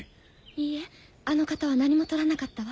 いいえあの方は何も取らなかったわ。